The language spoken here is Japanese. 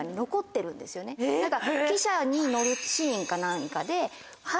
汽車に乗るシーンか何かで。